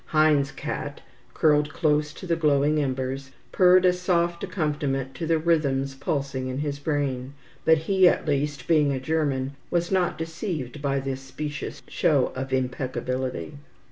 Heine's cat, curled close to the glowing embers, purred a soft accompaniment to the rhythms pulsing in his brain; but he at least, being a German, was not deceived by this specious show of impeccability.